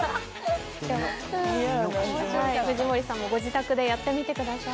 藤森さんもご自宅でやってみてください。